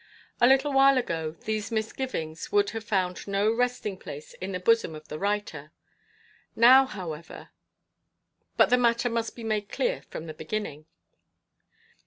A little while ago these misgivings would have found no resting place in the bosom of the writer. Now, however but the matter must be made clear from the beginning.